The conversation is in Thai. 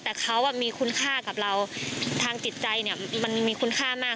แต่เขามีคุณค่ากับเราทางจิตใจเนี่ยมันมีคุณค่ามาก